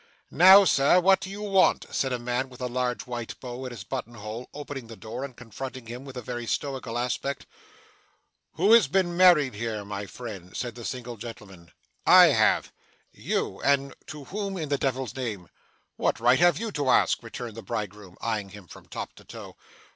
'Now, sir, what do you want!' said a man with a large white bow at his button hole, opening the door, and confronting him with a very stoical aspect. 'Who has been married here, my friend?' said the single gentleman. 'I have.' 'You! and to whom in the devil's name?' 'What right have you to ask?' returned the bridegroom, eyeing him from top to toe.